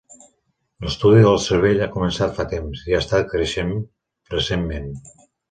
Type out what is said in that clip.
L'estudi del cervell ha començat fa temps, i ha estat creixent recentment.